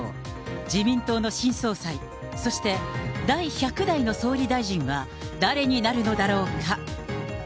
自民党の新総裁、そして第１００代の総理大臣は誰になるのだろうか。